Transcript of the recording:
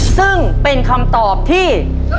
ซึ่งเป็นคำตอบที่